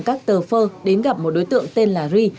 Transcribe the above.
các tờ phơ đến gặp một đối tượng tên là ri